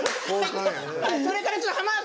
それからちょっと。